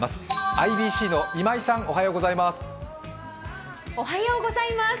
ＩＢＣの今井さん、おはようございます。